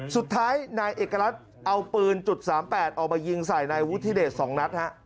สุดท้ายนายเอกรัฐเอาปืน๓๘ออกมายิงใส่นายวุฒิเดช๒นัดฮะ